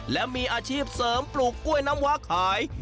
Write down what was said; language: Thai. และมีอาชีพเสริมปลูกกล้วยน้ำว้าขาย